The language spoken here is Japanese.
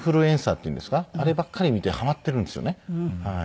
あればっかり見てハマってるんですよね。